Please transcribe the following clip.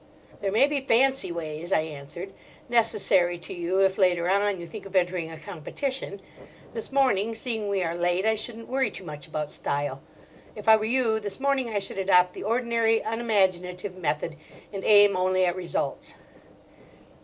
"There may be fancy ways," I answered, "necessary to you if later on you think of entering a competition. This morning, seeing we are late, I shouldn't worry too much about style. If I were you, this morning I should adopt the ordinary unimaginative method, and aim only at results."